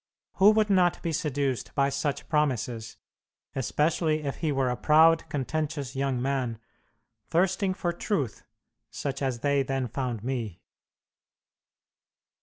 Who would not be seduced by such promises, especially if he were a proud, contentious young man, thirsting for truth, such as they then found me?"